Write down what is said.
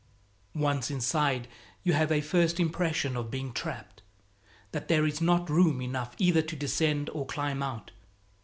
Once inside you have a first impression of being trapped that there is not room enough either to descend or climb out.